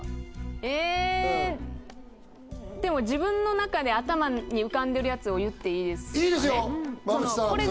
えーでも自分の中で頭に浮かんでるやつを言っていいですか？